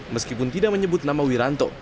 meskipun tidak menyebut nama wiranto